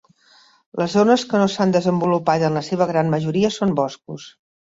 Les zones que no s'han desenvolupat en la seva gran majoria són boscos.